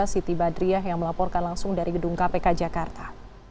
siti badriah yang melaporkan langsung dari gedung kpk jakarta